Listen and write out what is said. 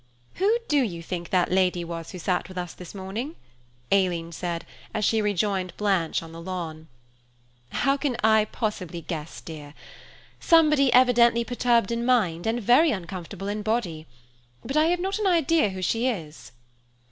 "Who do you think that lady was who sat with us this morning? " Aileen said, as she rejoined Blanche on the lawn. "How can I possibly guess, dear? Somebody evidently perturbed in mind, and very uncomfortable in body; but I have not an idea who she is."